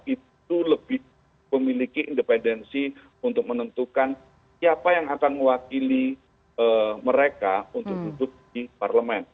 itu lebih memiliki independensi untuk menentukan siapa yang akan mewakili mereka untuk duduk di parlemen